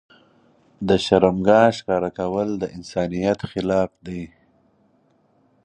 د شرمګاه ښکاره کول د انسانيت خلاف دي.